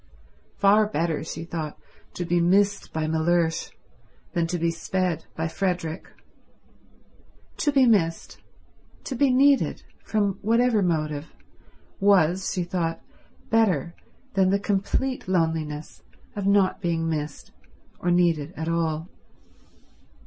Far better, she thought, to be missed by Mellersh than to be sped by Frederick. To be missed, to be needed, from whatever motive, was, she thought, better than the complete loneliness of not being missed or needed at all.